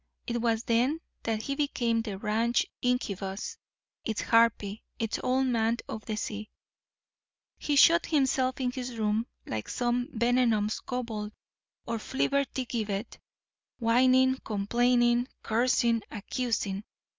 It was then that he became the ranch's incubus, its harpy, its Old Man of the Sea. He shut himself in his room like some venomous kobold or flibbertigibbet, whining, complaining, cursing, accusing.